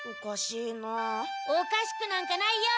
おかしくなんかないよ。